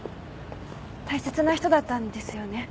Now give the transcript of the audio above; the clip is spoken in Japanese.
大切な人だったんですよね？